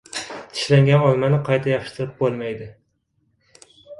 • Tishlangan olmani qayta yopishtirib bo‘lmaydi.